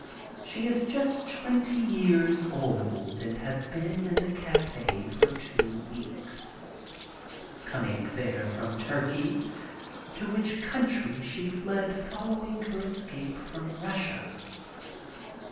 She is just twenty years old and has been in the cafe for two weeks, coming there from Turkey, to which country she fled following her escape from Russia.